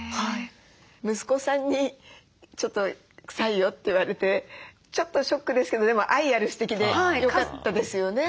息子さんに「ちょっと臭いよ」って言われてちょっとショックですけどでも愛ある指摘でよかったですよね。